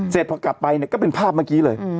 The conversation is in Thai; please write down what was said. เสร็จพอกลับไปเนี่ยก็เป็นภาพเมื่อกี้เลย